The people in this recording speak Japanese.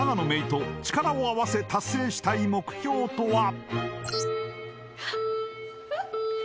郁と力を合わせ達成したい目標とは？